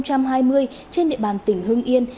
trên địa bàn tỉnh hưng yên